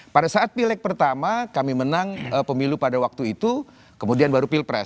pada saat pileg pertama kami menang pemilu pada waktu itu kemudian baru pilpres